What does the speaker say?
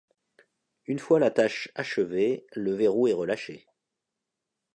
Une fois la tâche achevée, le verrou est relâché.